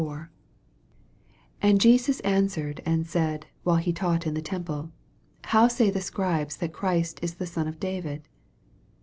35 And Jesus answered and said, while he taught in the temple. How eav the Scribes that Christ is the son of David